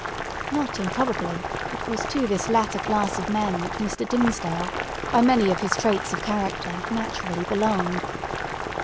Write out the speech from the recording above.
Not improbably, it was to this latter class of men that Mr. Dimmesdale, by many of his traits of character, naturally belonged.